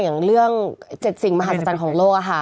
อย่างเรื่อง๗สิ่งมหาสัตว์จันทร์ของโลกค่ะ